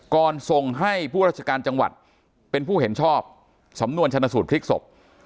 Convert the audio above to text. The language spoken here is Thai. ส่งให้ผู้ราชการจังหวัดเป็นผู้เห็นชอบสำนวนชนสูตรพลิกศพ